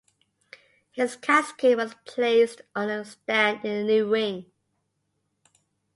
His casket was placed on a stand in the new wing.